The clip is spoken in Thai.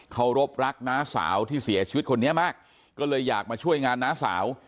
เขารบรักน้าสาวที่เสียชีวิตคนนี้มากก็เลยอยากมาช่วยงานน้าสาว